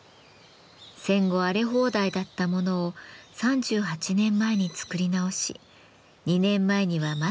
戦後荒れ放題だったものを３８年前に作り直し２年前には枡野さんが手直し。